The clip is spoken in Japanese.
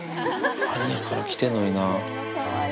アニヤから来てるのにな。